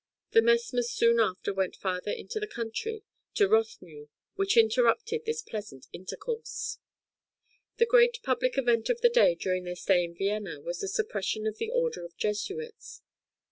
The Messmers soon after went farther into the country to Rothmühl, which interrupted this pleasant intercourse. The great public event of the day during their stay in Vienna was the suppression of the order of Jesuits.